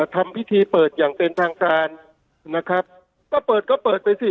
ทำพิธีเปิดอย่างเป็นทางการนะครับก็เปิดก็เปิดไปสิ